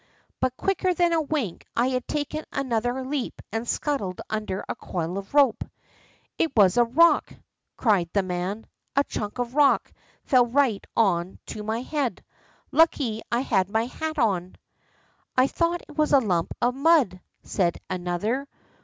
But quicker than a wink I had taken another leap, and scuttled under a coil of rope. ' It was a rock !' cried the man. ^ A chunk of rock fell right on to my head. Lucky I had my hat on.' ' I thought it was a lump of mud,' said an other.